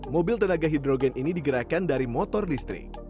mobil tenaga hidrogen ini digerakkan dari motor listrik